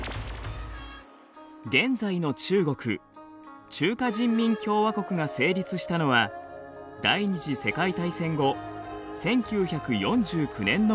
現在の中国中華人民共和国が成立したのは第２次世界大戦後１９４９年のことです。